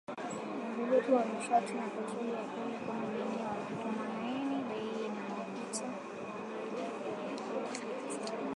Udhibiti wa Nishati na Petroli Aprili kumi na nne wakitumaini bei ya mafuta kuwa juu zaidi